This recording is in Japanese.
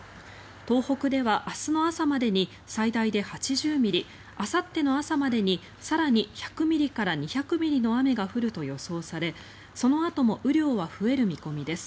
東北では明日の朝までに最大で８０ミリあさっての朝までに更に１００ミリから２００ミリの雨が降ると予想されそのあとも雨量は増える見込みです。